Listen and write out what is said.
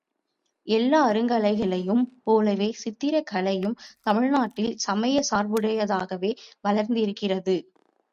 எல்லா அருங்கலைகளையும் போல, சித்திரக்கலையும் தமிழ்நாட்டில் சமயச் சார்புடையதாகவே வளர்ந்திருக்கிறது.